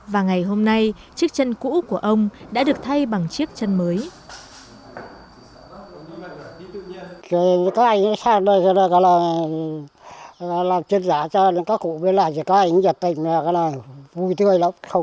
và ngày hôm nay chiếc chân cũ của ông đã được thay bằng chiếc chân mới